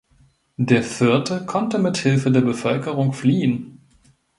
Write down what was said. Der Vierte konnte mithilfe der Bevölkerung fliehen.